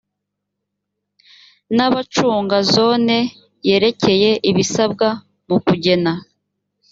n abacunga zone yerekeye ibisabwa mu kugena